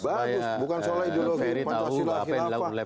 bagus bukan soal ideologi pancasila khilafah